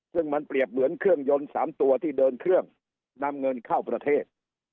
ซึ่งมันเปรียบเหมือนเครื่องยนต์๓ตัวที่เดินเครื่องนำเงินเข้าประเทศ